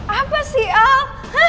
apa sih al